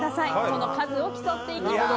その数を競っていきます。